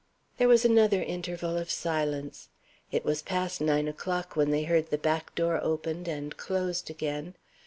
There was another interval of silence. It was past nine o'clock when they heard the back door opened and closed again.